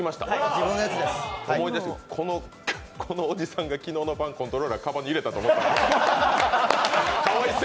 このおじさんが昨日の晩、コントローラーをかばんに入れたと思ったら。